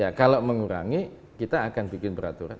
ya kalau mengurangi kita akan bikin peraturan